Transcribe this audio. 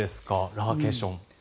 ラーケーション。